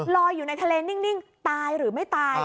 ลอยอยู่ในทะเลนิ่งตายหรือไม่ตาย